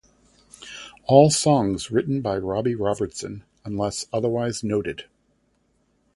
All songs written by Robbie Robertson, unless otherwise noted.